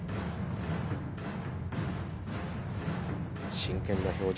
真剣な表情。